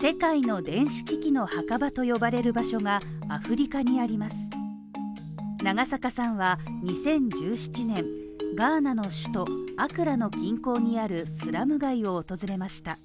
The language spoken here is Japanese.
世界の電子機器の墓場と呼ばれる場所がアフリカにあります長坂さんは２０１７年ガーナの首都アクラの銀行にあるスラム街を訪れました。